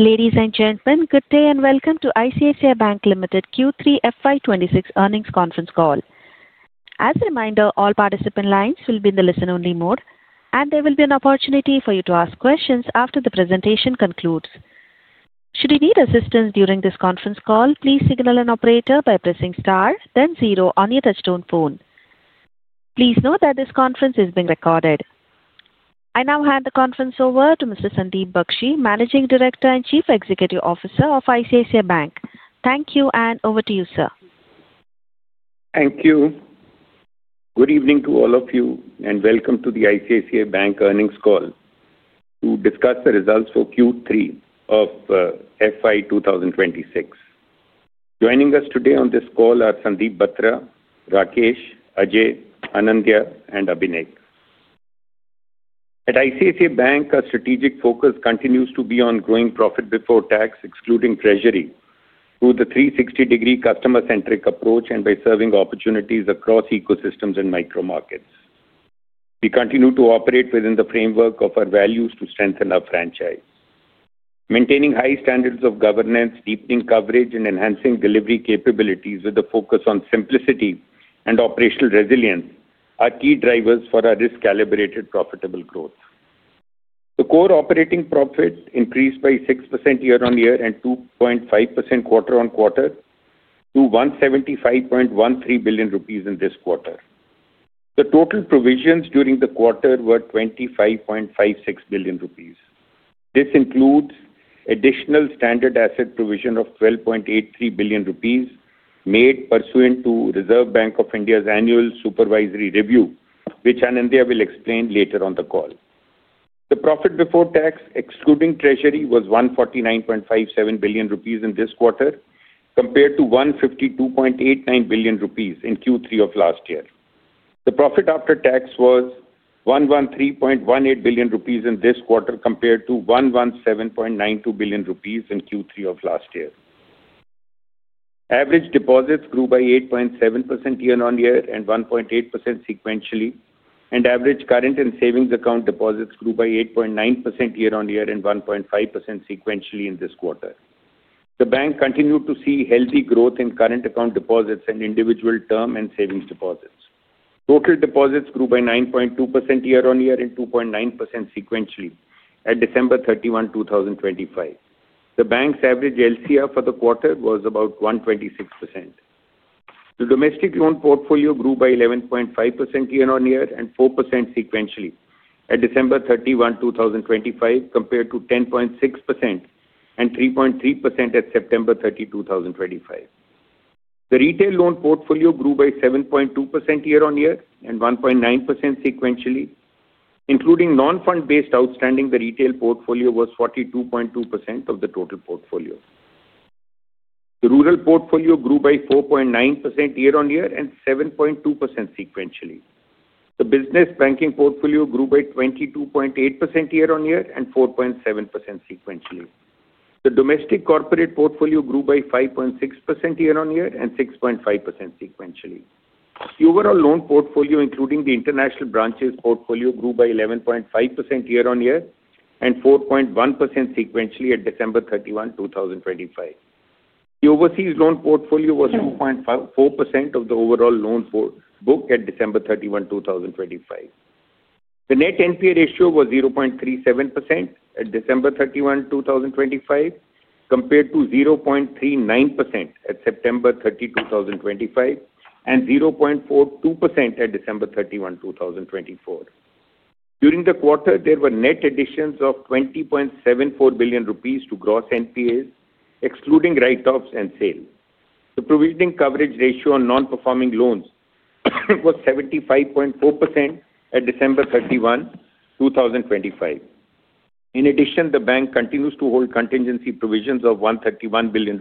Ladies and gentlemen, good day and welcome to ICICI Bank Limited Q3 FY26 earnings conference call. As a reminder, all participant lines will be in the listen-only mode, and there will be an opportunity for you to ask questions after the presentation concludes. Should you need assistance during this conference call, please signal an operator by pressing star, then zero on your touch-tone phone. Please note that this conference is being recorded. I now hand the conference over to Mr. Sandeep Bakhshi, Managing Director and Chief Executive Officer of ICICI Bank. Thank you, and over to you, sir. Thank you. Good evening to all of you, and welcome to the ICICI Bank earnings call to discuss the results for Q3 of FY 2026. Joining us today on this call are Sandeep Batra, Rakesh, Ajay, Anindya, and Abhinek. At ICICI Bank, our strategic focus continues to be on growing profit before tax, excluding treasury, through the 360-degree customer-centric approach and by serving opportunities across ecosystems and micro-markets. We continue to operate within the framework of our values to strengthen our franchise. Maintaining high standards of governance, deepening coverage, and enhancing delivery capabilities with a focus on simplicity and operational resilience are key drivers for our risk-calibrated, profitable growth. The core operating profit increased by 6% year-on-year and 2.5% quarter-on-quarter to 175.13 billion rupees in this quarter. The total provisions during the quarter were 25.56 billion rupees. This includes additional standard asset provision of 12.83 billion rupees made pursuant to Reserve Bank of India's annual supervisory review, which Anindya will explain later on the call. The profit before tax, excluding treasury, was 149.57 billion rupees in this quarter, compared to 152.89 billion rupees in Q3 of last year. The profit after tax was 113.18 billion rupees in this quarter, compared to 117.92 billion rupees in Q3 of last year. Average deposits grew by 8.7% year-on-year and 1.8% sequentially, and average current and savings account deposits grew by 8.9% year-on-year and 1.5% sequentially in this quarter. The bank continued to see healthy growth in current account deposits and individual term and savings deposits. Total deposits grew by 9.2% year-on-year and 2.9% sequentially at December 31, 2025. The bank's average LCR for the quarter was about 126%. The domestic loan portfolio grew by 11.5% year-on-year and 4% sequentially at December 31, 2025, compared to 10.6% and 3.3% at September 30, 2025. The retail loan portfolio grew by 7.2% year-on-year and 1.9% sequentially. Including non-fund-based outstanding, the retail portfolio was 42.2% of the total portfolio. The rural portfolio grew by 4.9% year-on-year and 7.2% sequentially. The business banking portfolio grew by 22.8% year-on-year and 4.7% sequentially. The domestic corporate portfolio grew by 5.6% year-on-year and 6.5% sequentially. The overall loan portfolio, including the international branches portfolio, grew by 11.5% year-on-year and 4.1% sequentially at December 31, 2025. The overseas loan portfolio was 2.4% of the overall loan book at December 31, 2025. The net NPA ratio was 0.37% at December 31, 2025, compared to 0.39% at September 30, 2025, and 0.42% at December 31, 2024. During the quarter, there were net additions of ₹20.74 billion to gross NPAs, excluding write-offs and sales. The provisioning coverage ratio on non-performing loans was 75.4% at December 31, 2025. In addition, the bank continues to hold contingency provisions of ₹131 billion,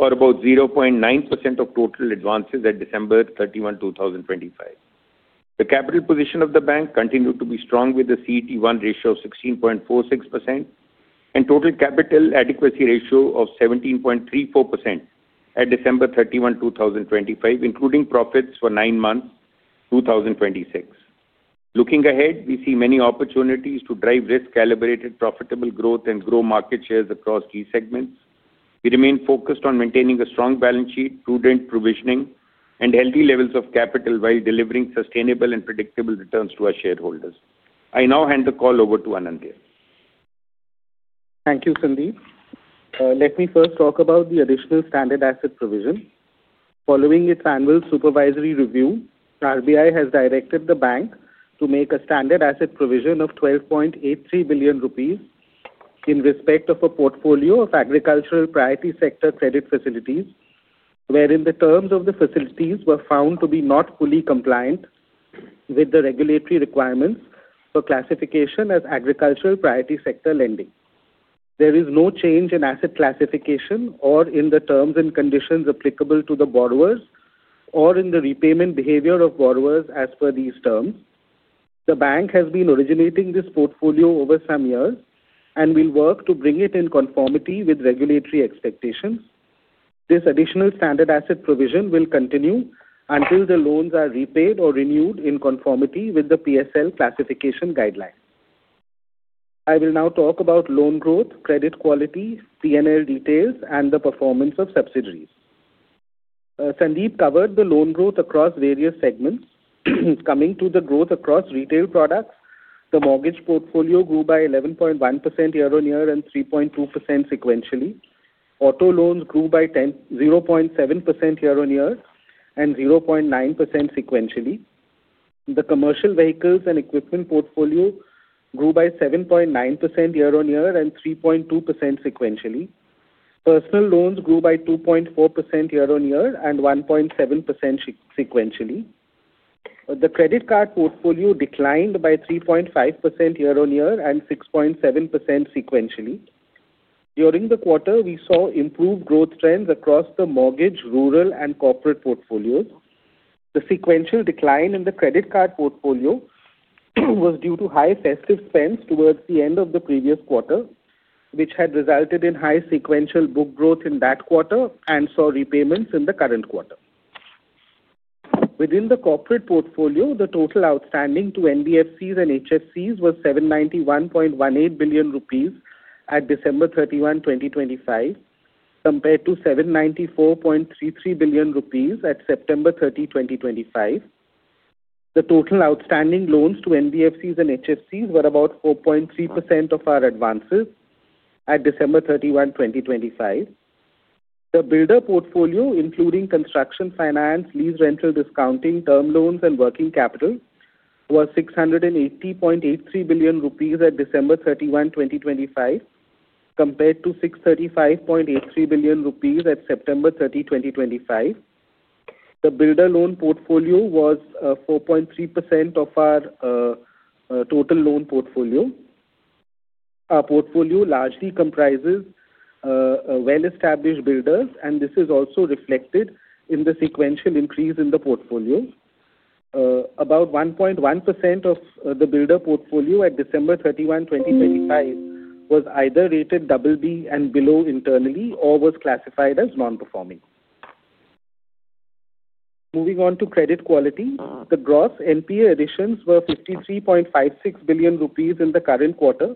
or about 0.9% of total advances at December 31, 2025. The capital position of the bank continued to be strong with a CET1 ratio of 16.46% and total capital adequacy ratio of 17.34% at December 31, 2025, including profits for nine months 2026. Looking ahead, we see many opportunities to drive risk-calibrated, profitable growth, and grow market shares across key segments. We remain focused on maintaining a strong balance sheet, prudent provisioning, and healthy levels of capital while delivering sustainable and predictable returns to our shareholders. I now hand the call over to Anindya. Thank you, Sandeep. Let me first talk about the additional standard asset provision. Following its annual supervisory review, RBI has directed the bank to make a standard asset provision of 12.83 billion rupees in respect of a portfolio of agricultural priority sector credit facilities, wherein the terms of the facilities were found to be not fully compliant with the regulatory requirements for classification as agricultural priority sector lending. There is no change in asset classification or in the terms and conditions applicable to the borrowers or in the repayment behavior of borrowers as per these terms. The bank has been originating this portfolio over some years and will work to bring it in conformity with regulatory expectations. This additional standard asset provision will continue until the loans are repaid or renewed in conformity with the PSL classification guidelines. I will now talk about loan growth, credit quality, P&L details, and the performance of subsidiaries. Sandeep covered the loan growth across various segments. Coming to the growth across retail products, the mortgage portfolio grew by 11.1% year-on-year and 3.2% sequentially. Auto loans grew by 0.7% year-on-year and 0.9% sequentially. The commercial vehicles and equipment portfolio grew by 7.9% year-on-year and 3.2% sequentially. Personal loans grew by 2.4% year-on-year and 1.7% sequentially. The credit card portfolio declined by 3.5% year-on-year and 6.7% sequentially. During the quarter, we saw improved growth trends across the mortgage, rural, and corporate portfolios. The sequential decline in the credit card portfolio was due to high festive spends towards the end of the previous quarter, which had resulted in high sequential book growth in that quarter and saw repayments in the current quarter. Within the corporate portfolio, the total outstanding to NBFCs and HFCs was 791.18 billion rupees at December 31, 2025, compared to 794.33 billion rupees at September 30, 2025. The total outstanding loans to NBFCs and HFCs were about 4.3% of our advances at December 31, 2025. The builder portfolio, including construction finance, lease rental discounting, term loans, and working capital, was 680.83 billion rupees at December 31, 2025, compared to 635.83 billion rupees at September 30, 2025. The builder loan portfolio was 4.3% of our total loan portfolio. Our portfolio largely comprises well-established builders, and this is also reflected in the sequential increase in the portfolio. About 1.1% of the builder portfolio at December 31, 2025, was either rated BB and below internally or was classified as non-performing. Moving on to credit quality, the gross NPA additions were 53.56 billion rupees in the current quarter,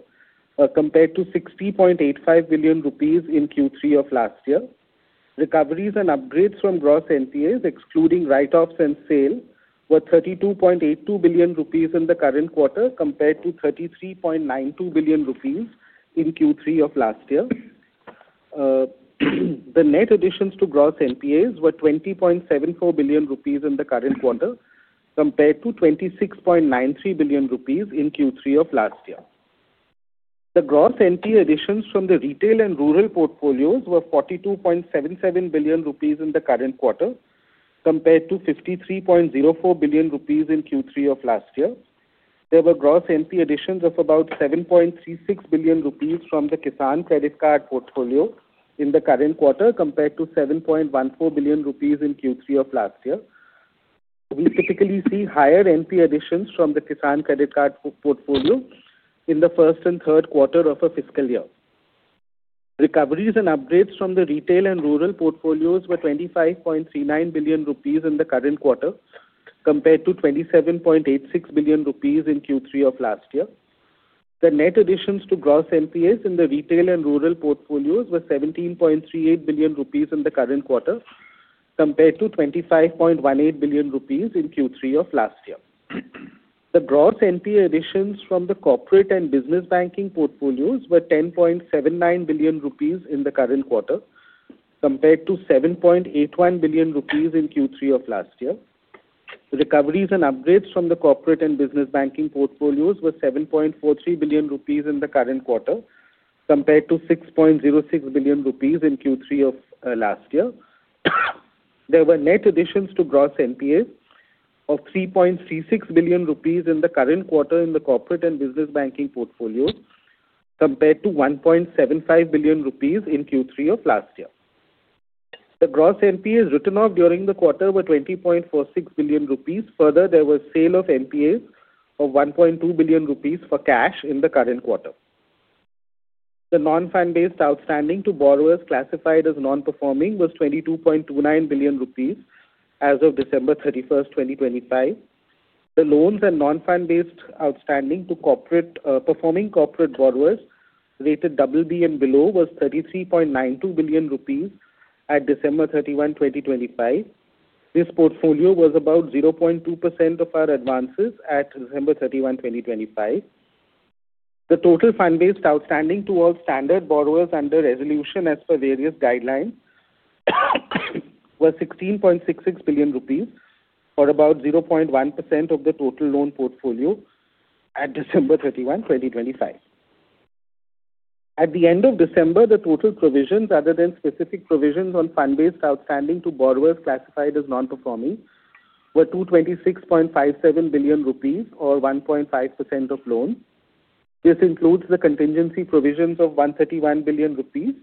compared to 60.85 billion rupees in Q3 of last year. Recoveries and upgrades from gross NPAs, excluding write-offs and sale, were ₹32.82 billion in the current quarter, compared to ₹33.92 billion in Q3 of last year. The net additions to gross NPAs were ₹20.74 billion in the current quarter, compared to ₹26.93 billion in Q3 of last year. The gross NPA additions from the retail and rural portfolios were ₹42.77 billion in the current quarter, compared to ₹53.04 billion in Q3 of last year. There were gross NPA additions of about ₹7.36 billion from the Kisan Credit Card portfolio in the current quarter, compared to ₹7.14 billion in Q3 of last year. We typically see higher NPA additions from the Kisan Credit Card portfolio in the first and third quarter of a fiscal year. Recoveries and upgrades from the retail and rural portfolios were ₹25.39 billion in the current quarter, compared to ₹27.86 billion in Q3 of last year. The net additions to gross NPAs in the retail and rural portfolios were 17.38 billion rupees in the current quarter, compared to 25.18 billion rupees in Q3 of last year. The gross NPA additions from the corporate and business banking portfolios were 10.79 billion rupees in the current quarter, compared to 7.81 billion rupees in Q3 of last year. Recoveries and upgrades from the corporate and business banking portfolios were 7.43 billion rupees in the current quarter, compared to 6.06 billion rupees in Q3 of last year. There were net additions to gross NPAs of 3.36 billion rupees in the current quarter in the corporate and business banking portfolios, compared to 1.75 billion rupees in Q3 of last year. The gross NPAs written off during the quarter were 20.46 billion rupees. Further, there was sale of NPAs of 1.2 billion rupees for cash in the current quarter. The non-fund-based outstanding to borrowers classified as non-performing was 22.29 billion rupees as of December 31, 2025. The loans and non-fund-based outstanding to performing corporate borrowers rated BB and below was 33.92 billion rupees at December 31, 2025. This portfolio was about 0.2% of our advances at December 31, 2025. The total fund-based outstanding to all standard borrowers under resolution as per various guidelines was 16.66 billion rupees or about 0.1% of the total loan portfolio at December 31, 2025. At the end of December, the total provisions, other than specific provisions on fund-based outstanding to borrowers classified as non-performing, were 226.57 billion rupees, or 1.5% of loans. This includes the contingency provisions of 131 billion rupees,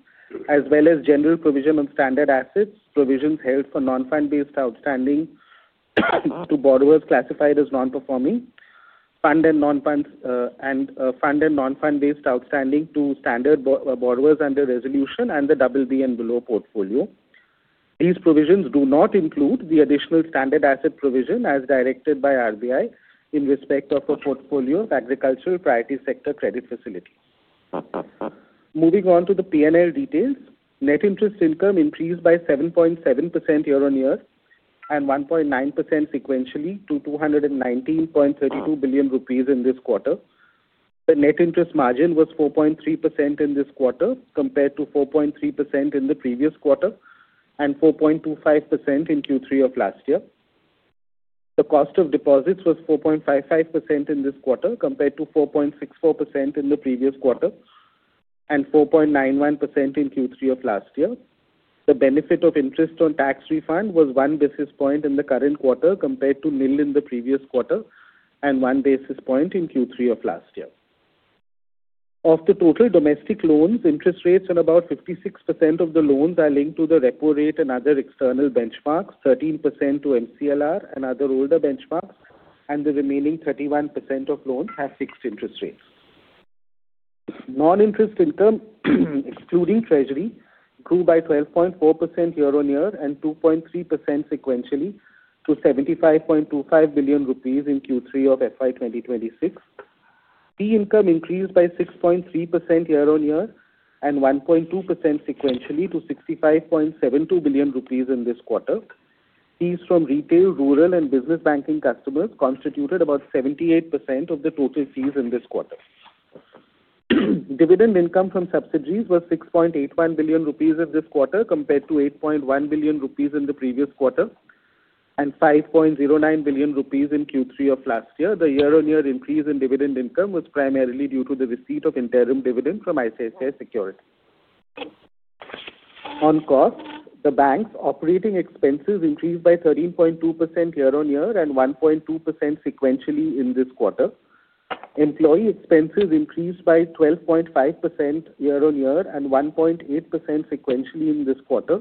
as well as general provision on standard assets provisions held for non-fund-based outstanding to borrowers classified as non-performing, fund and non-fund-based outstanding to standard borrowers under resolution, and the BB and below portfolio. These provisions do not include the additional standard asset provision as directed by RBI in respect of a portfolio of agricultural priority sector credit facility. Moving on to the P&L details, net interest income increased by 7.7% year-on-year and 1.9% sequentially to 219.32 billion rupees in this quarter. The net interest margin was 4.3% in this quarter, compared to 4.3% in the previous quarter and 4.25% in Q3 of last year. The cost of deposits was 4.55% in this quarter, compared to 4.64% in the previous quarter and 4.91% in Q3 of last year. The benefit of interest on tax refund was one basis point in the current quarter, compared to nil in the previous quarter and one basis point in Q3 of last year. Of the total domestic loans, interest rates on about 56% of the loans are linked to the repo rate and other external benchmarks, 13% to MCLR and other older benchmarks, and the remaining 31% of loans have fixed interest rates. Non-interest income, excluding treasury, grew by 12.4% year-on-year and 2.3% sequentially to ₹75.25 billion in Q3 of FY 2026. Fee income increased by 6.3% year-on-year and 1.2% sequentially to ₹65.72 billion in this quarter. Fees from retail, rural, and business banking customers constituted about 78% of the total fees in this quarter. Dividend income from subsidiaries was ₹6.81 billion in this quarter, compared to ₹8.1 billion in the previous quarter and ₹5.09 billion in Q3 of last year. The year-on-year increase in dividend income was primarily due to the receipt of interim dividend from ICICI Securities. On costs, the bank's operating expenses increased by 13.2% year-on-year and 1.2% sequentially in this quarter. Employee expenses increased by 12.5% year-on-year and 1.2% sequentially in this quarter,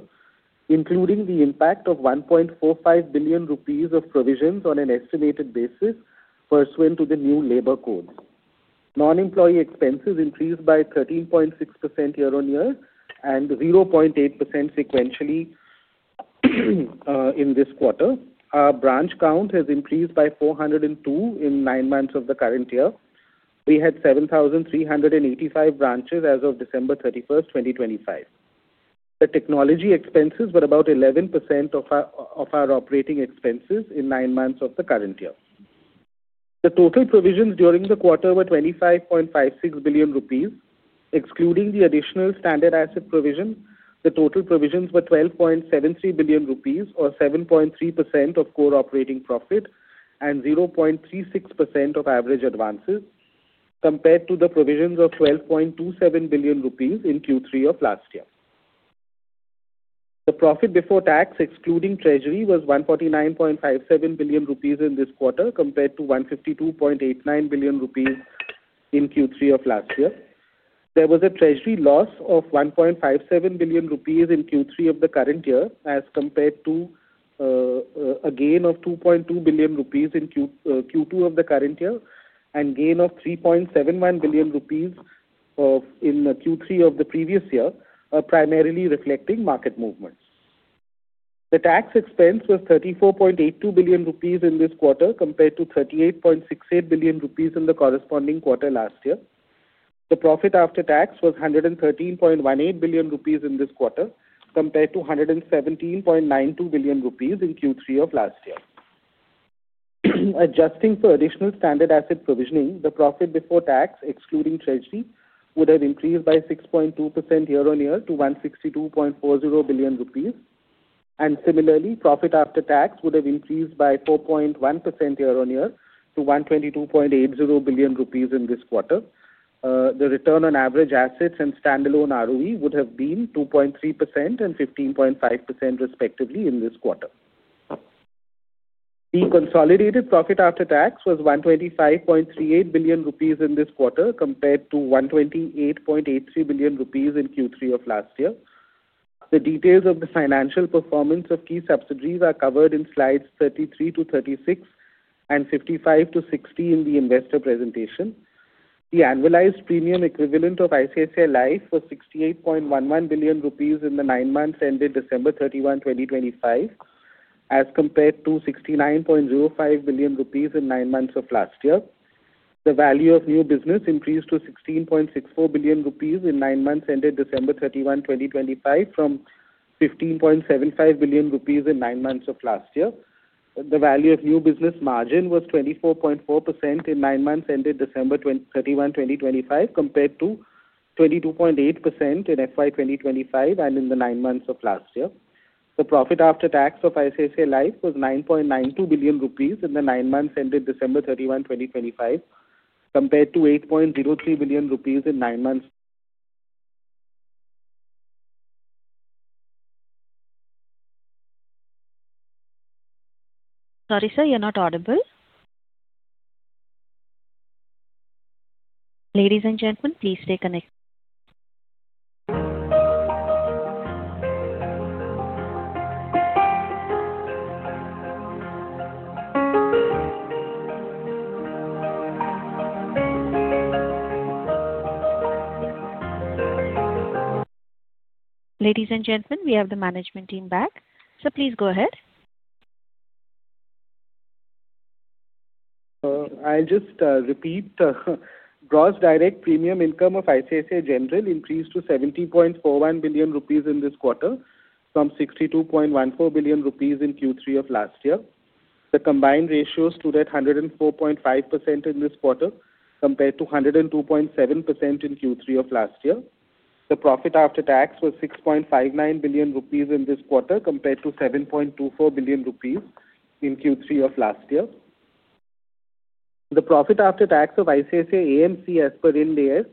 including the impact of ₹1.45 billion of provisions on an estimated basis pursuant to the new labour code. Non-employee expenses increased by 13.6% year-on-year and 0.8% sequentially in this quarter. Our branch count has increased by 402 in nine months of the current year. We had 7,385 branches as of December 31, 2025. The technology expenses were about 11% of our operating expenses in nine months of the current year. The total provisions during the quarter were ₹25.56 billion. Excluding the additional standard asset provision, the total provisions were ₹12.73 billion, or 7.3% of core operating profit and 0.36% of average advances, compared to the provisions of ₹12.27 billion in Q3 of last year. The profit before tax, excluding treasury, was ₹149.57 billion in this quarter, compared to ₹152.89 billion in Q3 of last year. There was a treasury loss of ₹1.57 billion in Q3 of the current year, as compared to a gain of ₹2.2 billion in Q2 of the current year, and gain of ₹3.71 billion in Q3 of the previous year, primarily reflecting market movements. The tax expense was ₹34.82 billion in this quarter, compared to ₹38.68 billion in the corresponding quarter last year. The profit after tax was ₹113.18 billion in this quarter, compared to ₹117.92 billion in Q3 of last year. Adjusting for additional standard asset provisioning, the profit before tax, excluding treasury, would have increased by 6.2% year-on-year to ₹162.40 billion. And similarly, profit after tax would have increased by 4.1% year-on-year to ₹122.80 billion in this quarter. The return on average assets and standalone ROE would have been 2.3% and 15.5%, respectively, in this quarter. The consolidated profit after tax was 125.38 billion rupees in this quarter, compared to 128.83 billion rupees in Q3 of last year. The details of the financial performance of key subsidiaries are covered in slides 33 to 36 and 55 to 60 in the investor presentation. The annualized premium equivalent of ICICI Life was 68.11 billion rupees in the nine months ended December 31, 2025, as compared to 69.05 billion rupees in nine months of last year. The value of new business increased to 16.64 billion rupees in nine months ended December 31, 2025, from 15.75 billion rupees in nine months of last year. The value of new business margin was 24.4% in nine months ended December 31, 2025, compared to 22.8% in FY 2025 and in the nine months of last year. The profit after tax of ICICI Life was 9.92 billion rupees in the nine months ended December 31, 2025, compared to 8.03 billion rupees in nine months. Sorry, sir, you're not audible. Ladies and gentlemen, please stay connected. Ladies and gentlemen, we have the management team back, so please go ahead. I'll just repeat. Gross direct premium income of ICICI General increased to 70.41 billion rupees in this quarter, from 62.14 billion rupees in Q3 of last year. The combined ratios stood at 104.5% in this quarter, compared to 102.7% in Q3 of last year. The profit after tax was 6.59 billion rupees in this quarter, compared to 7.24 billion rupees in Q3 of last year. The profit after tax of ICICI AMC, as per Ind AS,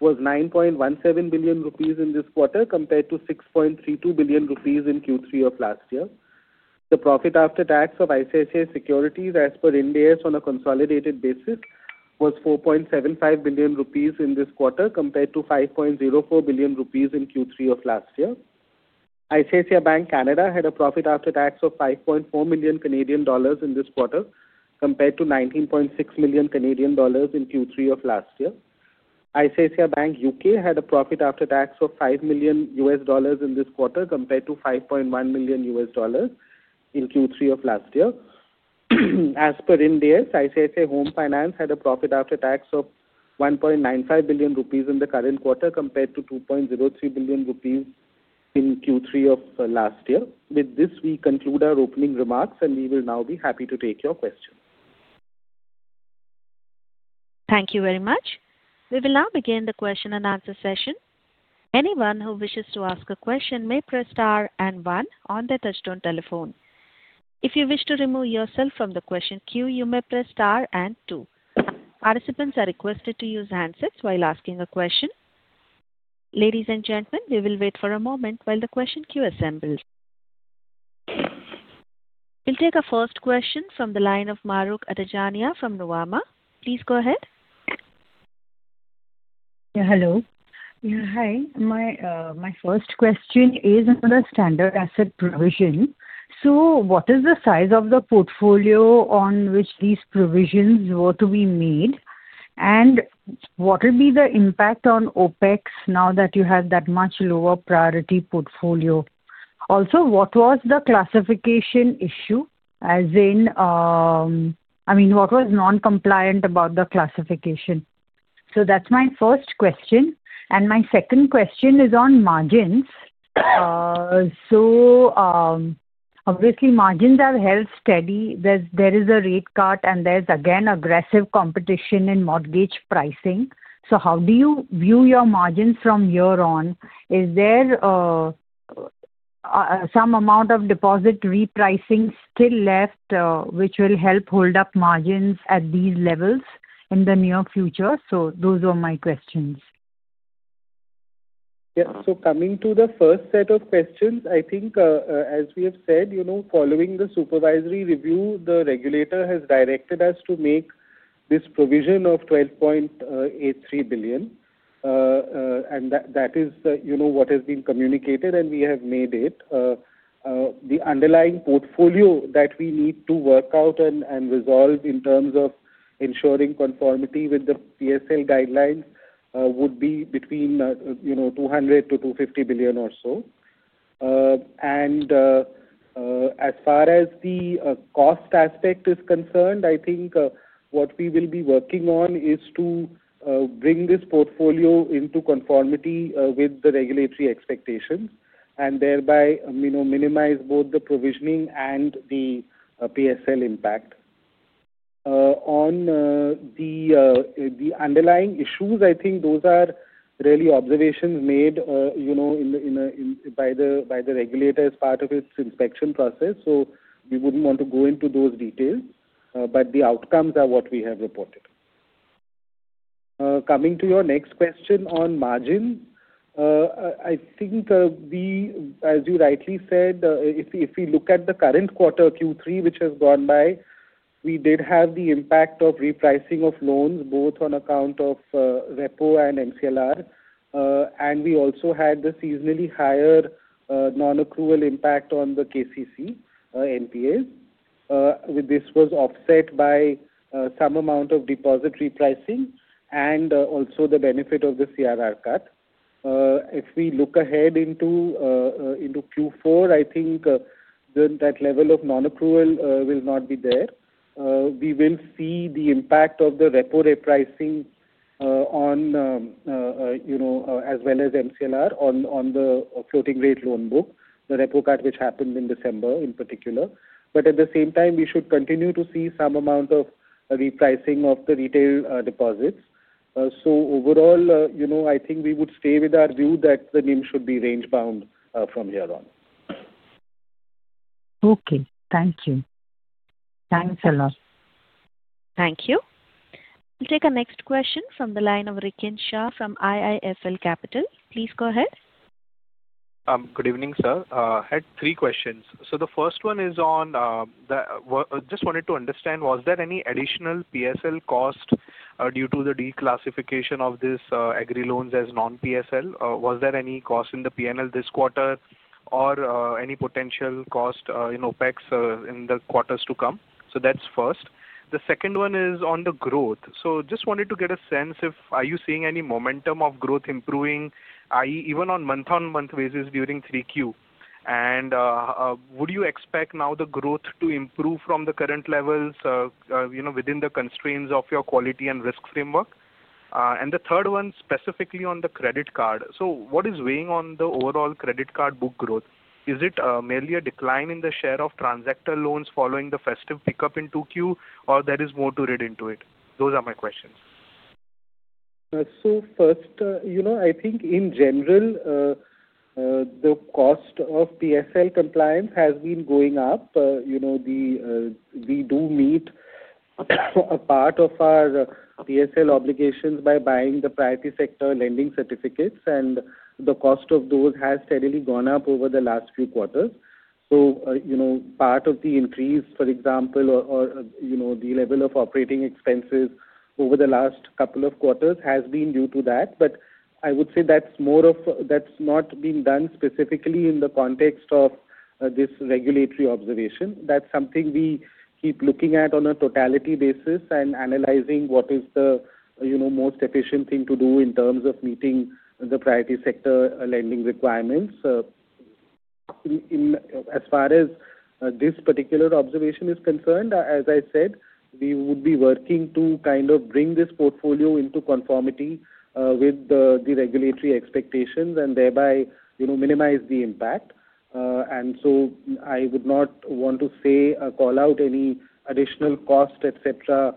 was 9.17 billion rupees in this quarter, compared to 6.32 billion rupees in Q3 of last year. The profit after tax of ICICI Securities, as per Ind AS, on a consolidated basis was 4.75 billion rupees in this quarter, compared to 5.04 billion rupees in Q3 of last year. ICICI Bank Canada had a profit after tax of 5.4 million Canadian dollars in this quarter, compared to 19.6 million Canadian dollars in Q3 of last year. ICICI Bank UK had a profit after tax of $5 million US dollars in this quarter, compared to $5.1 million US dollars in Q3 of last year. As per Ind AS, ICICI Home Finance had a profit after tax of ₹1.95 billion in the current quarter, compared to ₹2.03 billion in Q3 of last year. With this, we conclude our opening remarks, and we will now be happy to take your questions. Thank you very much. We will now begin the question and answer session. Anyone who wishes to ask a question may press star and one on their touch-tone telephone. If you wish to remove yourself from the question queue, you may press star and two. Participants are requested to use handsets while asking a question. Ladies and gentlemen, we will wait for a moment while the question queue assembles. We'll take a first question from the line of Mahrukh Adajania from Nuvama. Please go ahead. Hello. Hi. My first question is under standard asset provision. So what is the size of the portfolio on which these provisions were to be made, and what will be the impact on OpEx now that you have that much lower priority portfolio? Also, what was the classification issue? As in, I mean, what was non-compliant about the classification? So that's my first question. And my second question is on margins. So obviously, margins have held steady. There is a rate cut, and there's again aggressive competition in mortgage pricing. So how do you view your margins from here on? Is there some amount of deposit repricing still left, which will help hold up margins at these levels in the near future? So those are my questions. Yeah, so coming to the first set of questions, I think, as we have said, following the supervisory review, the regulator has directed us to make this provision of 12.83 billion, and that is what has been communicated, and we have made it. The underlying portfolio that we need to work out and resolve in terms of ensuring conformity with the PSL guidelines would be between 200-250 billion or so, and as far as the cost aspect is concerned, I think what we will be working on is to bring this portfolio into conformity with the regulatory expectations and thereby minimize both the provisioning and the PSL impact. On the underlying issues, I think those are really observations made by the regulator as part of its inspection process, so we wouldn't want to go into those details, but the outcomes are what we have reported. Coming to your next question on margins, I think, as you rightly said, if we look at the current quarter Q3, which has gone by, we did have the impact of repricing of loans, both on account of repo and MCLR, and we also had the seasonally higher non-accrual impact on the KCC NPAs. This was offset by some amount of deposit repricing and also the benefit of the CRR cut. If we look ahead into Q4, I think that level of non-accrual will not be there. We will see the impact of the repo repricing as well as MCLR on the floating rate loan book, the repo cut which happened in December in particular, but at the same time, we should continue to see some amount of repricing of the retail deposits. So overall, I think we would stay with our view that the NIM should be range-bound from here on. Okay. Thank you. Thanks a lot. Thank you. We'll take the next question from the line of Rikin Shah from IIFL Capital. Please go ahead. Good evening, sir. I had three questions. So the first one is on, I just wanted to understand, was there any additional PSL cost due to the declassification of these agri loans as non-PSL? Was there any cost in the P&L this quarter or any potential cost in OPEX in the quarters to come? So that's first. The second one is on the growth. So just wanted to get a sense if are you seeing any momentum of growth improving, even on month-on-month basis during 3Q? And would you expect now the growth to improve from the current levels within the constraints of your quality and risk framework? And the third one, specifically on the credit card. So what is weighing on the overall credit card book growth? Is it merely a decline in the share of transactor loans following the festive pickup in 2Q, or there is more to read into it? Those are my questions. So first, I think in general, the cost of PSL compliance has been going up. We do meet a part of our PSL obligations by buying the priority sector lending certificates, and the cost of those has steadily gone up over the last few quarters. So part of the increase, for example, or the level of operating expenses over the last couple of quarters has been due to that. But I would say that's not being done specifically in the context of this regulatory observation. That's something we keep looking at on a totality basis and analyzing what is the most efficient thing to do in terms of meeting the priority sector lending requirements. As far as this particular observation is concerned, as I said, we would be working to kind of bring this portfolio into conformity with the regulatory expectations and thereby minimize the impact. And so I would not want to say call out any additional cost, etc.,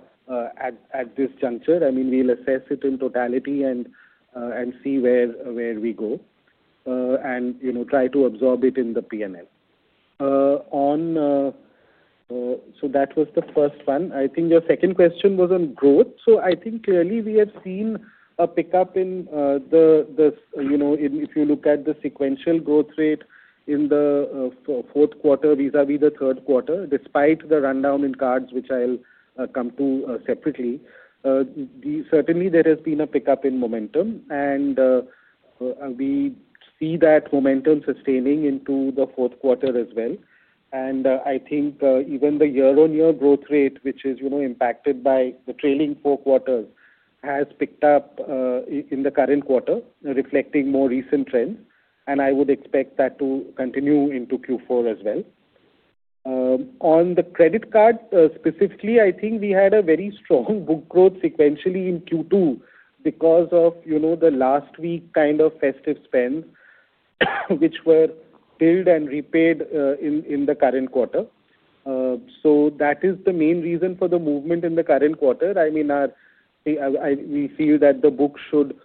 at this juncture. I mean, we'll assess it in totality and see where we go and try to absorb it in the P&L. So that was the first one. I think your second question was on growth. So I think clearly we have seen a pickup in the if you look at the sequential growth rate in the fourth quarter vis-à-vis the third quarter, despite the rundown in cards, which I'll come to separately, certainly there has been a pickup in momentum. And we see that momentum sustaining into the fourth quarter as well. And I think even the year-on-year growth rate, which is impacted by the trailing four quarters, has picked up in the current quarter, reflecting more recent trends. And I would expect that to continue into Q4 as well. On the credit card specifically, I think we had a very strong book growth sequentially in Q2 because of the last week kind of festive spend, which were billed and repaid in the current quarter. So that is the main reason for the movement in the current quarter. I mean, we feel that the book should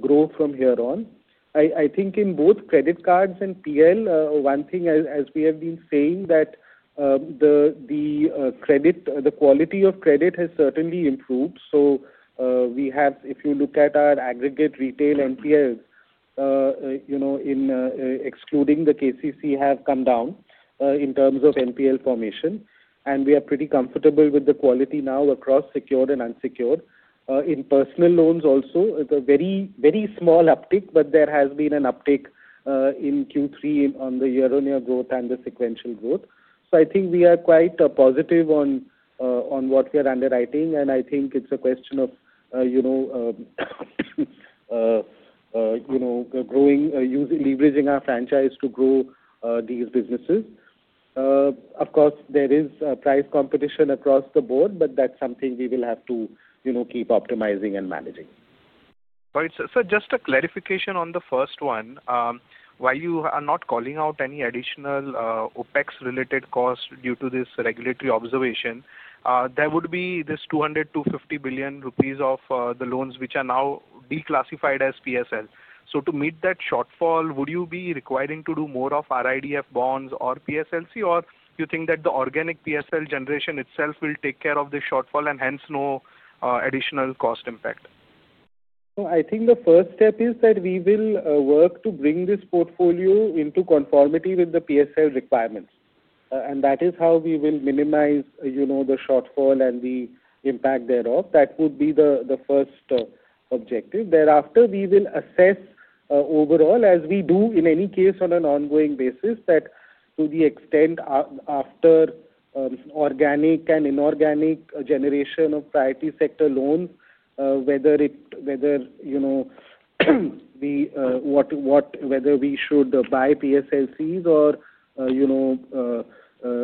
grow from here on. I think in both credit cards and PL, one thing, as we have been saying, that the quality of credit has certainly improved. So if you look at our aggregate retail NPAs, excluding the KCC, have come down in terms of NPL formation. And we are pretty comfortable with the quality now across secured and unsecured. In personal loans also, it's a very small uptick, but there has been an uptick in Q3 on the year-on-year growth and the sequential growth. I think we are quite positive on what we are underwriting. I think it's a question of leveraging our franchise to grow these businesses. Of course, there is price competition across the board, but that's something we will have to keep optimizing and managing. Right. So just a clarification on the first one. While you are not calling out any additional OpEx-related cost due to this regulatory observation, there would be this 200-250 billion rupees of the loans which are now declassified as PSL. So to meet that shortfall, would you be requiring to do more of RIDF bonds or PSLC, or do you think that the organic PSL generation itself will take care of the shortfall and hence no additional cost impact? So I think the first step is that we will work to bring this portfolio into conformity with the PSL requirements. And that is how we will minimize the shortfall and the impact thereof. That would be the first objective. Thereafter, we will assess overall, as we do in any case on an ongoing basis, that to the extent after organic and inorganic generation of priority sector loans, whether we should buy PSLCs or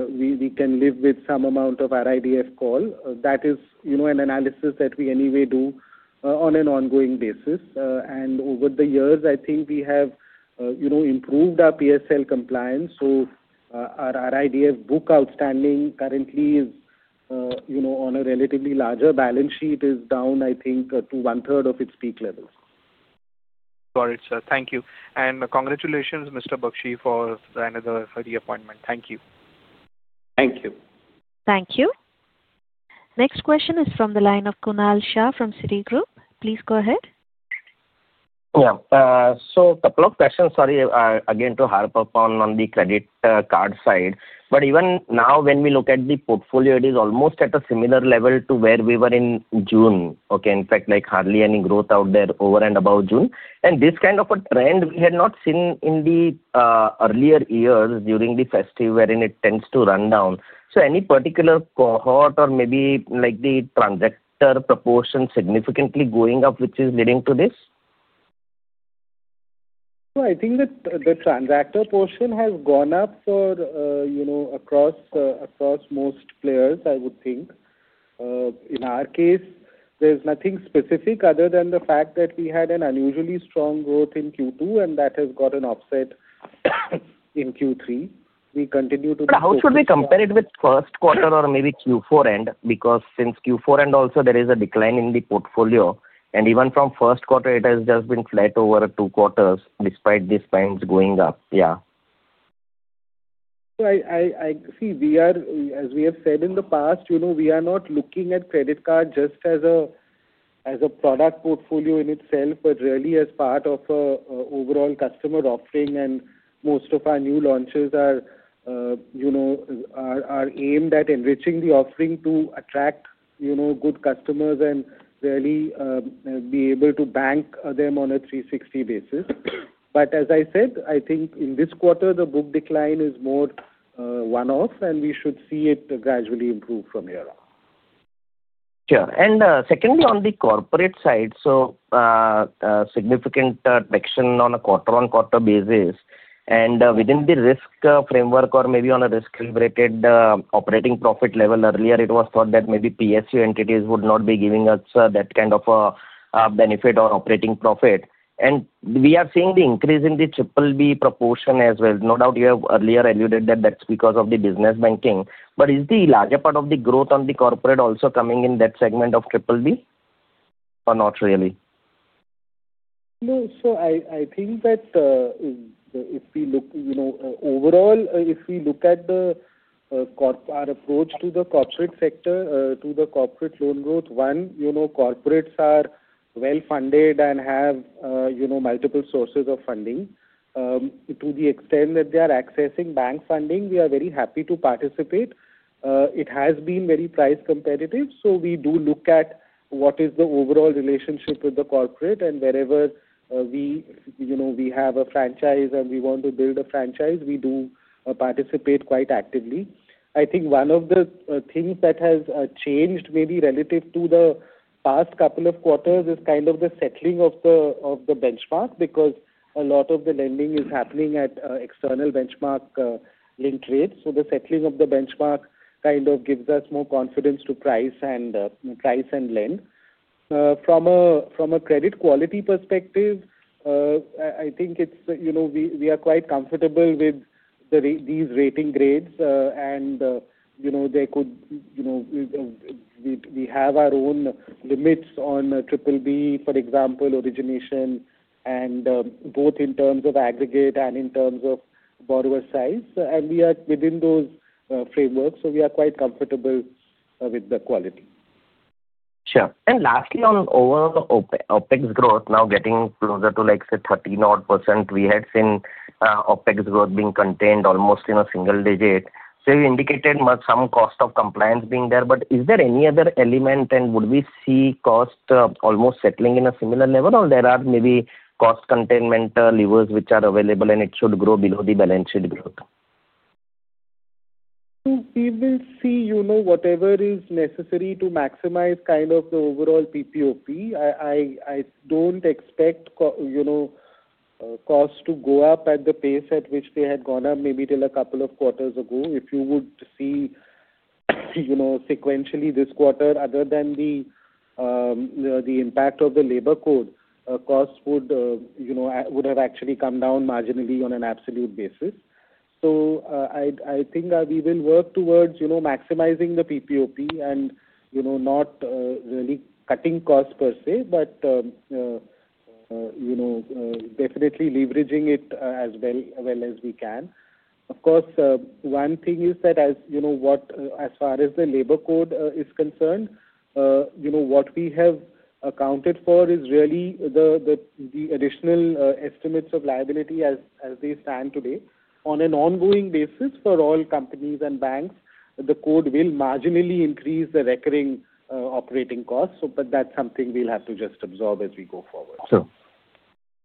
we can live with some amount of RIDF call. That is an analysis that we anyway do on an ongoing basis. And over the years, I think we have improved our PSL compliance. So our RIDF book outstanding currently is on a relatively larger balance sheet is down, I think, to one-third of its peak levels. Got it, sir. Thank you. And congratulations, Mr. Bakhshi, for the reappointment. Thank you. Thank you. Thank you. Next question is from the line of Kunal Shah from Citi. Please go ahead. Yeah. So a couple of questions, sorry, again to harp upon on the credit card side. But even now, when we look at the portfolio, it is almost at a similar level to where we were in June. Okay. In fact, hardly any growth out there over and above June. And this kind of a trend we had not seen in the earlier years during the festive wherein it tends to run down. So any particular cohort or maybe the transactor proportion significantly going up, which is leading to this? So I think that the transactor portion has gone up across most players, I would think. In our case, there's nothing specific other than the fact that we had an unusually strong growth in Q2, and that has got an offset in Q3. We continue to. But how should we compare it with first quarter or maybe Q4 end? Because since Q4 end, also, there is a decline in the portfolio. And even from first quarter, it has just been flat over two quarters despite these spikes going up. Yeah. So I see we are, as we have said in the past, we are not looking at credit card just as a product portfolio in itself, but really as part of an overall customer offering. And most of our new launches are aimed at enriching the offering to attract good customers and really be able to bank them on a 360 basis. But as I said, I think in this quarter, the book decline is more one-off, and we should see it gradually improve from here on. Sure. And secondly, on the corporate side, so significant action on a quarter-on-quarter basis. And within the risk framework or maybe on a risk-related operating profit level, earlier, it was thought that maybe PSU entities would not be giving us that kind of a benefit or operating profit. And we are seeing the increase in the BBB proportion as well. No doubt you have earlier alluded that that's because of the business banking. But is the larger part of the growth on the corporate also coming in that segment of BBB or not really? No. So I think that if we look overall, if we look at our approach to the corporate sector, to the corporate loan growth, one, corporates are well-funded and have multiple sources of funding. To the extent that they are accessing bank funding, we are very happy to participate. It has been very price competitive. So we do look at what is the overall relationship with the corporate. And wherever we have a franchise and we want to build a franchise, we do participate quite actively. I think one of the things that has changed maybe relative to the past couple of quarters is kind of the settling of the benchmark because a lot of the lending is happening at external benchmark linked rates. So the settling of the benchmark kind of gives us more confidence to price and lend. From a credit quality perspective, I think we are quite comfortable with these rating grades, and we have our own limits on BBB, for example, origination, and both in terms of aggregate and in terms of borrower size, and we are within those frameworks. So we are quite comfortable with the quality. Sure. And lastly, on overall OpEx growth, now getting closer to, let's say, 30-odd %, we had seen OpEx growth being contained almost in a single digit. So you indicated some cost of compliance being there. But is there any other element, and would we see cost almost settling in a similar level, or there are maybe cost containment levers which are available, and it should grow below the balance sheet growth? We will see whatever is necessary to maximize kind of the overall PPOP. I don't expect cost to go up at the pace at which they had gone up maybe till a couple of quarters ago. If you would see sequentially this quarter, other than the impact of the labour code, cost would have actually come down marginally on an absolute basis. So I think we will work towards maximizing the PPOP and not really cutting cost per se, but definitely leveraging it as well as we can. Of course, one thing is that as far as the labuor code is concerned, what we have accounted for is really the additional estimates of liability as they stand today. On an ongoing basis for all companies and banks, the code will marginally increase the recurring operating cost. But that's something we'll have to just absorb as we go forward. Sure.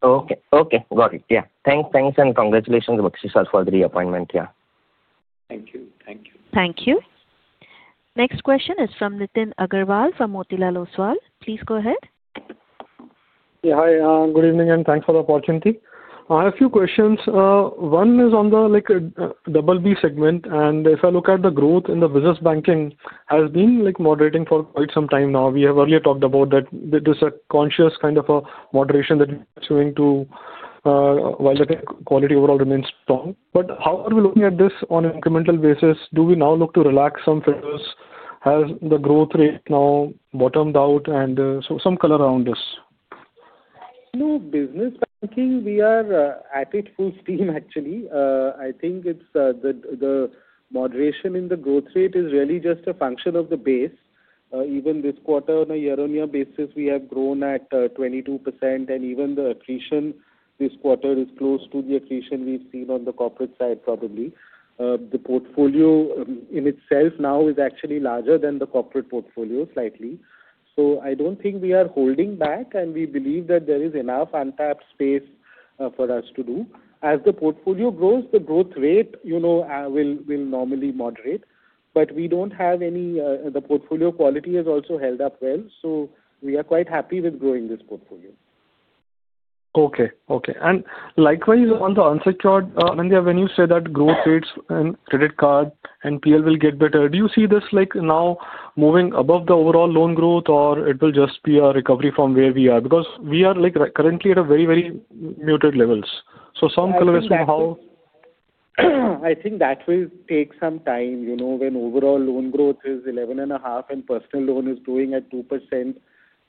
Okay. Okay. Got it. Yeah. Thanks, thanks, and congratulations, Bakhshi, for the reappointment. Yeah. Thank you. Thank you. Thank you. Next question is from Nitin Aggarwal from Motilal Oswal. Please go ahead. Yeah. Hi. Good evening, and thanks for the opportunity. I have a few questions. One is on the BBB segment, and if I look at the growth in the business banking, it has been moderating for quite some time now. We have earlier talked about that this is a conscious kind of a moderation that we are assuming while the quality overall remains strong. But how are we looking at this on an incremental basis? Do we now look to relax some figures? Has the growth rate now bottomed out, and so some color around this. No, business banking, we are at it full steam, actually. I think the moderation in the growth rate is really just a function of the base. Even this quarter, on a year-on-year basis, we have grown at 22%. And even the accretion this quarter is close to the accretion we've seen on the corporate side, probably. The portfolio in itself now is actually larger than the corporate portfolio slightly. So I don't think we are holding back. And we believe that there is enough untapped space for us to do. As the portfolio grows, the growth rate will normally moderate. But we don't have any. The portfolio quality has also held up well. So we are quite happy with growing this portfolio. Okay. Okay. And likewise, on the answer card, Anindya, when you say that growth rates and credit card and PL will get better, do you see this now moving above the overall loan growth, or it will just be a recovery from where we are? Because we are currently at very, very muted levels. So some color as to how. I think that will take some time. When overall loan growth is 11.5% and personal loan is growing at 2%,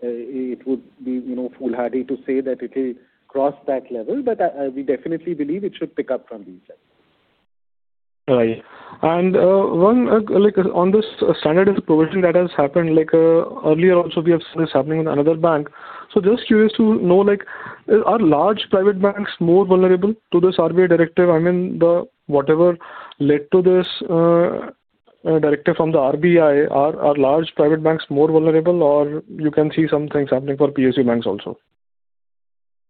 it would be foolhardy to say that it will cross that level. But we definitely believe it should pick up from these levels. Right. And on this standard provision that has happened earlier, also, we have seen this happening with another bank. So just curious to know, are large private banks more vulnerable to this RBI directive? I mean, whatever led to this directive from the RBI, are large private banks more vulnerable, or you can see something happening for PSU banks also?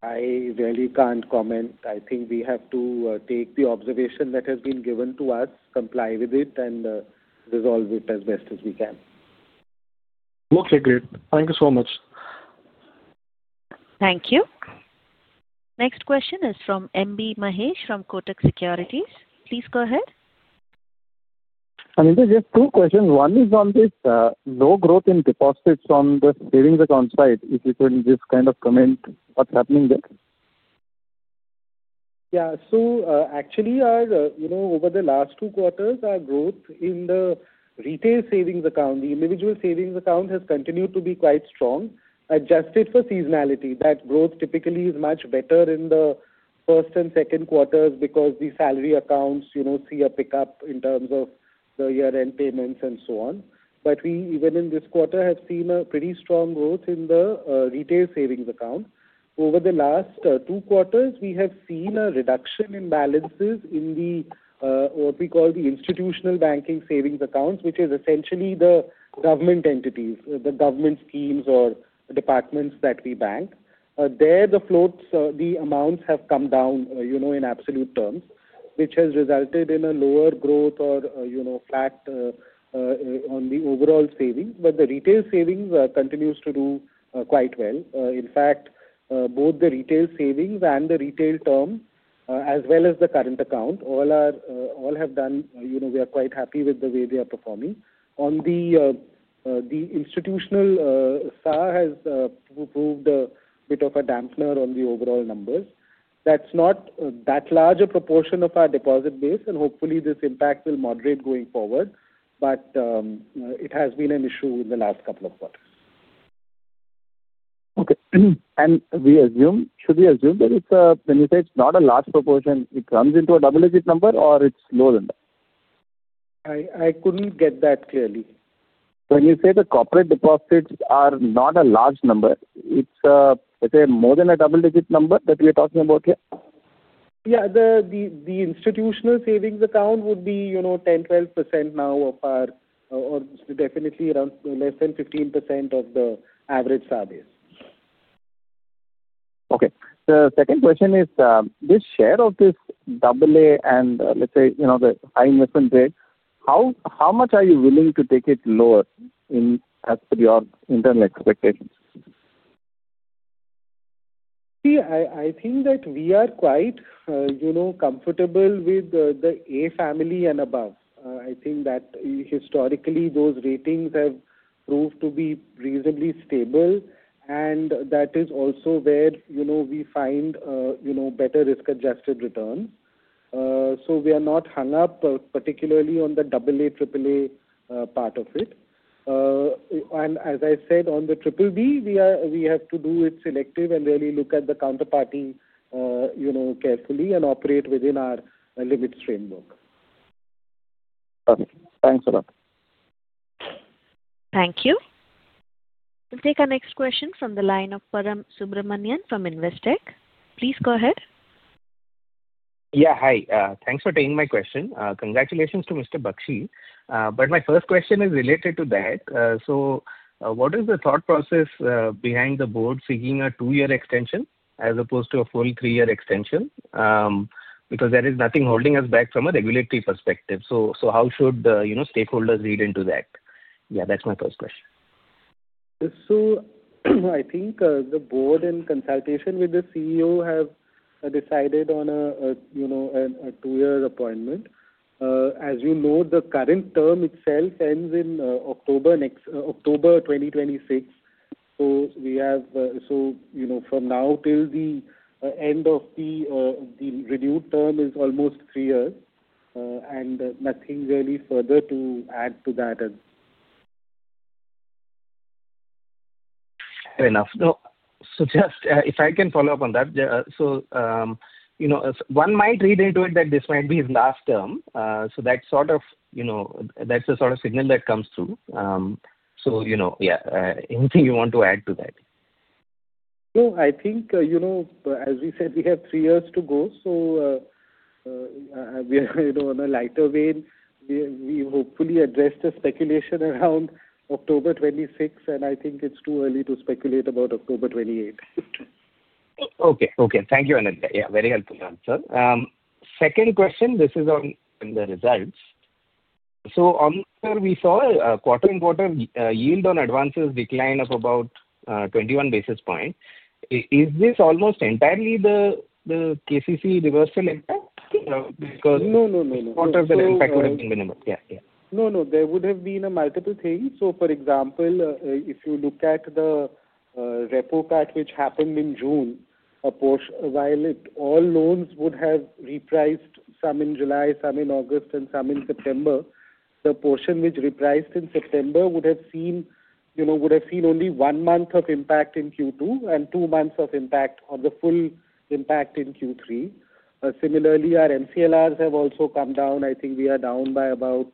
I really can't comment. I think we have to take the observation that has been given to us, comply with it, and resolve it as best as we can. Okay. Great. Thank you so much. Thank you. Next question is from M.B. Mahesh from Kotak Securities. Please go ahead. Anindya, just two questions. One is on this low growth in deposits on the savings account side. If you could just kind of comment what's happening there. Yeah. So actually, over the last two quarters, our growth in the retail savings account, the individual savings account, has continued to be quite strong, adjusted for seasonality. That growth typically is much better in the first and second quarters because the salary accounts see a pickup in terms of the year-end payments and so on. But we, even in this quarter, have seen a pretty strong growth in the retail savings account. Over the last two quarters, we have seen a reduction in balances in what we call the institutional banking savings accounts, which is essentially the government entities, the government schemes or departments that we bank. There, the amounts have come down in absolute terms, which has resulted in a lower growth or flat on the overall savings. But the retail savings continues to do quite well. In fact, both the retail savings and the retail term, as well as the current account, all have done. We are quite happy with the way they are performing. On the institutional, CASA has proved a bit of a dampener on the overall numbers. That's not that large a proportion of our deposit base, and hopefully, this impact will moderate going forward but it has been an issue in the last couple of quarters. Okay. And should we assume that when you say it's not a large proportion, it comes into a double-digit number, or it's lower than that? I couldn't get that clearly. When you say the corporate deposits are not a large number, it's, let's say, more than a double-digit number that we are talking about here? Yeah. The institutional savings account would be 10-12% now of our or definitely around less than 15% of the average SA base. Okay. The second question is, this share of this AA and, let's say, the high investment grade, how much are you willing to take it lower as per your internal expectations? See, I think that we are quite comfortable with the A family and above. I think that historically, those ratings have proved to be reasonably stable. And that is also where we find better risk-adjusted returns. So we are not hung up, particularly on the AA, AAA part of it. And as I said, on the BBB, we have to do it selective and really look at the counterparty carefully and operate within our limits framework. Okay. Thanks a lot. Thank you. We'll take our next question from the line of Param Subramanian from Investec. Please go ahead. Yeah. Hi. Thanks for taking my question. Congratulations to Mr. Bakhshi. But my first question is related to that. So what is the thought process behind the board seeking a two-year extension as opposed to a full three-year extension? Because there is nothing holding us back from a regulatory perspective. So how should stakeholders read into that? Yeah, that's my first question. So I think the board in consultation with the CEO have decided on a two-year appointment. As you know, the current term itself ends in October 2026. So from now till the end of the renewed term is almost three years. And nothing really further to add to that. Fair enough. So just if I can follow up on that. So one might read into it that this might be his last term. So that's sort of the sort of signal that comes through. So yeah, anything you want to add to that? So I think, as we said, we have three years to go. So on a lighter vein, we hopefully addressed the speculation around October 2026. And I think it's too early to speculate about October 2028. Okay. Thank you, Anindya. Yeah, very helpful answer. Second question, this is on the results. So we saw quarter-on-quarter yield on advances decline of about 21 basis points. Is this almost entirely the KCC reversal impact? Because. No, no, no, no. What if the impact would have been minimal? Yeah, yeah. No, no. There would have been a multiple thing. So for example, if you look at the repo cut which happened in June, while all loans would have repriced some in July, some in August, and some in September, the portion which repriced in September would have seen only one month of impact in Q2 and two months of impact on the full impact in Q3. Similarly, our MCLRs have also come down. I think we are down by about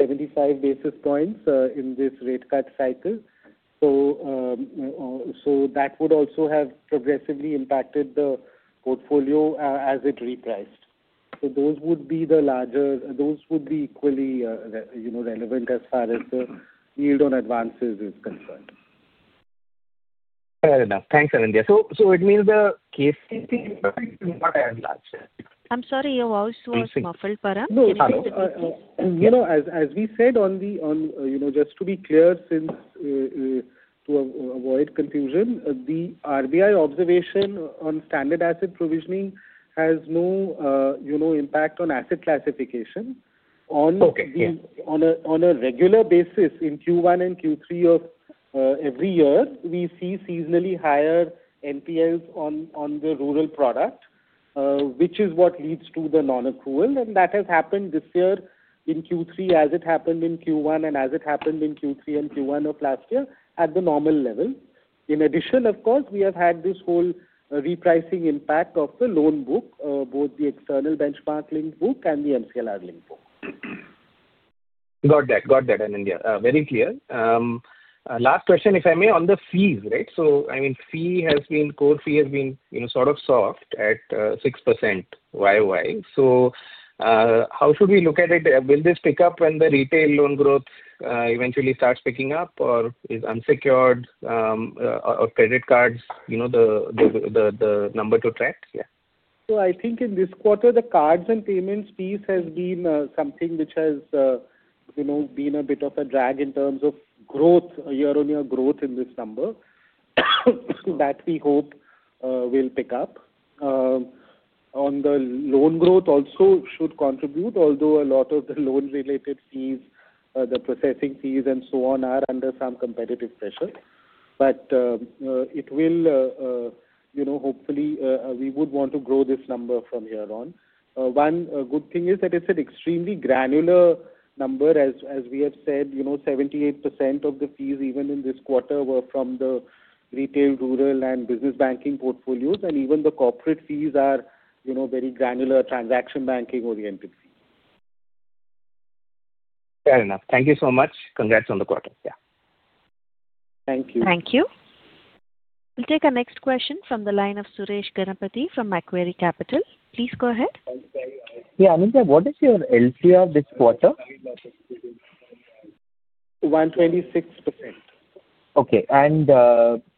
75 basis points in this rate cut cycle. So that would also have progressively impacted the portfolio as it repriced. So those would be equally relevant as far as the yield on advances is concerned. Fair enough. Thanks, Anindya. So it means the KCC impact is not as large. I'm sorry. Your voice was muffled, Param. No, no. As we said, just to be clear to avoid confusion, the RBI observation on standard asset provisioning has no impact on asset classification. On a regular basis, in Q1 and Q3 of every year, we see seasonally higher NPLs on the rural product, which is what leads to the non-accrual. And that has happened this year in Q3 as it happened in Q1 and as it happened in Q3 and Q1 of last year at the normal level. In addition, of course, we have had this whole repricing impact of the loan book, both the external benchmark link book and the MCLR link book. Got that. Got that, Anindya. Very clear. Last question, if I may, on the fees, right? So I mean, core fee has been sort of soft at 6% YoY. So how should we look at it? Will this pick up when the retail loan growth eventually starts picking up, or is unsecured or credit cards the number to track? Yeah. So I think in this quarter, the cards and payments piece has been something which has been a bit of a drag in terms of year-on-year growth in this number that we hope will pick up. On the loan growth, also, should contribute, although a lot of the loan-related fees, the processing fees, and so on are under some competitive pressure. But it will hopefully we would want to grow this number from here on. One good thing is that it's an extremely granular number. As we have said, 78% of the fees, even in this quarter, were from the retail, rural, and business banking portfolios. And even the corporate fees are very granular transaction banking-oriented fees. Fair enough. Thank you so much. Congrats on the quarter. Yeah. Thank you. Thank you. We'll take our next question from the line of Suresh Ganapathy from Macquarie Capital. Please go ahead. Yeah, Anindya, what is your LCR this quarter? 126%. Okay, and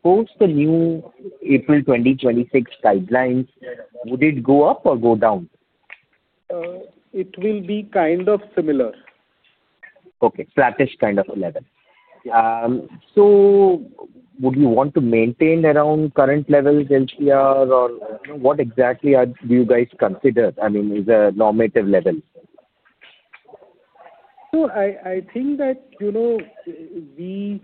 post the new April 2026 guidelines, would it go up or go down? It will be kind of similar. Okay. Flattish kind of level. So would you want to maintain around current level LCR, or what exactly do you guys consider? I mean, is there a normative level? So I think that we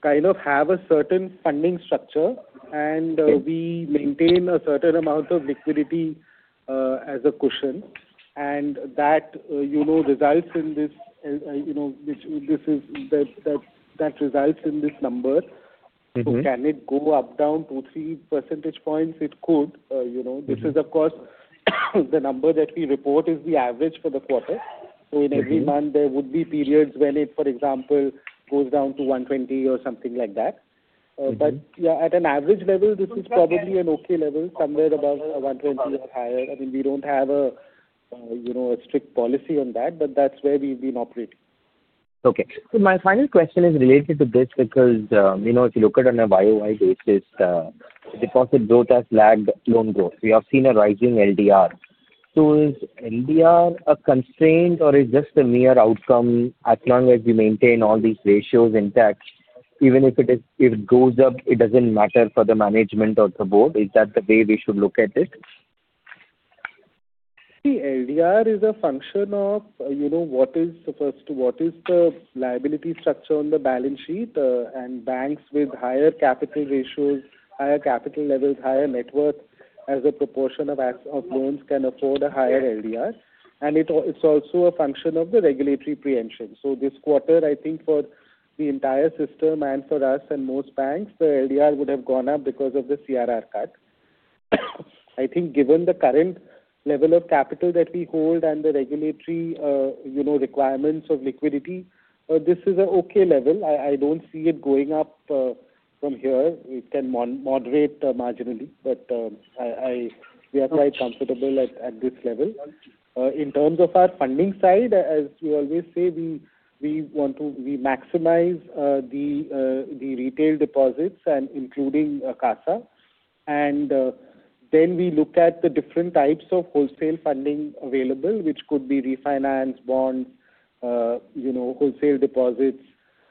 kind of have a certain funding structure, and we maintain a certain amount of liquidity as a cushion. And that results in this number. So can it go up, down 2-3 percentage points? It could. This is, of course, the number that we report is the average for the quarter. So in every month, there would be periods when it, for example, goes down to 120 or something like that. But yeah, at an average level, this is probably an okay level, somewhere above 120 or higher. I mean, we don't have a strict policy on that, but that's where we've been operating. Okay. So my final question is related to this because if you look at it on a YoY basis, deposit growth has lagged loan growth. We have seen a rising LDR. So is LDR a constraint, or is this the mere outcome as long as we maintain all these ratios intact? Even if it goes up, it doesn't matter for the management or the board. Is that the way we should look at it? See, LDR is a function of what is the liability structure on the balance sheet. Banks with higher capital ratios, higher capital levels, higher net worth as a proportion of loans can afford a higher LDR. It's also a function of the regulatory preemption. This quarter, I think, for the entire system and for us and most banks, the LDR would have gone up because of the CRR cut. I think given the current level of capital that we hold and the regulatory requirements of liquidity, this is an okay level. I don't see it going up from here. It can moderate marginally, but we are quite comfortable at this level. In terms of our funding side, as we always say, we maximize the retail deposits and including CASA. And then we look at the different types of wholesale funding available, which could be refinance, bonds, wholesale deposits,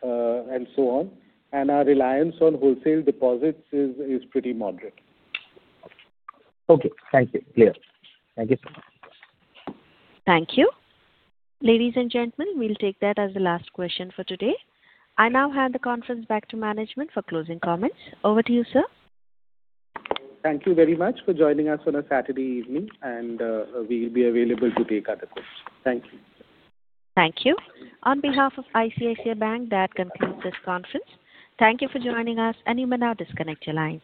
and so on. And our reliance on wholesale deposits is pretty moderate. Okay. Thank you. Clear. Thank you so much. Thank you. Ladies and gentlemen, we'll take that as the last question for today. I now hand the conference back to management for closing comments. Over to you, sir. Thank you very much for joining us on a Saturday evening, and we'll be available to take other questions. Thank you. Thank you. On behalf of ICICI Bank, that concludes this conference. Thank you for joining us. And you may now disconnect your lines.